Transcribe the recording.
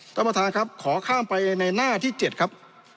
ท่านประธานครับขอข้ามไปในหน้าที่๗ครับ